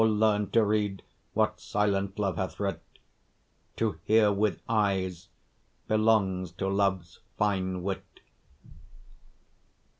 learn to read what silent love hath writ: To hear with eyes belongs to love's fine wit.